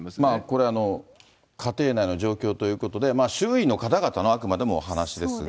これ、家庭内の状況ということで、周囲の方々の、あくまでもお話ですが。